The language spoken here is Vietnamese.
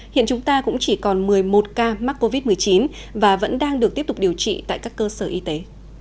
hiện chúng ta cũng chỉ còn một mươi một ca mắc covid một mươi chín và vẫn đang được tiếp tục điều trị tại các cơ sở y tế